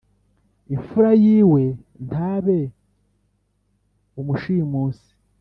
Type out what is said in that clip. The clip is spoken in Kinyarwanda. imfura yiwe ntabe umushimusi